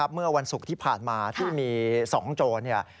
เมื่อวันศุกร์ที่ผ่านมาที่มี๒โจร